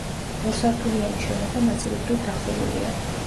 ორსართულიანი შენობა ნაწილობრივ დახურულია.